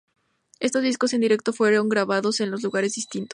Este disco en directo fue grabado en dos lugares distintos.